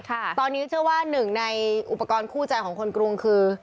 ตอนนี้เชื่อว่าหนึ่งในอุปกรณ์คู่ใจของคนกรุงคือ